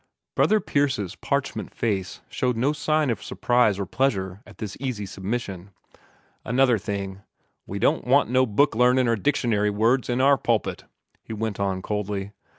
Brother Pierce's parchment face showed no sign of surprise or pleasure at this easy submission. "Another thing: We don't want no book learnin' or dictionary words in our pulpit," he went on coldly.